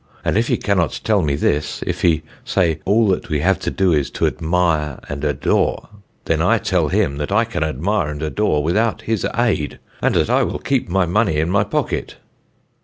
And if he cannot tell me this; if he say, All that we have to do is to admire and adore; then I tell him, that I can admire and adore without his aid, and that I will keep my money in my pocket."